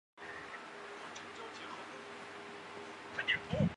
阿拉帕塔站是位于佛罗里达州迈阿密近邻社区的一座迈阿密地铁的地铁站。